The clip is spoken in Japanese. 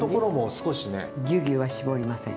ぎゅうぎゅうは絞りません。